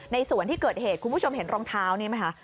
ในส่วนที่เกิดเหตุคุณผู้ชมเห็นรองเท้านี่ไหมคะ